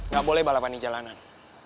gak boleh balapan di jalanan